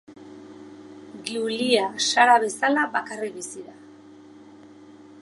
Giulia, Sara bezala, bakarrik bizi da.